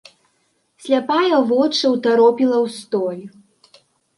Сляпая вочы ўтаропіла ў столь.